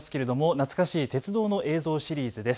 懐かしい鉄道の映像シリーズです。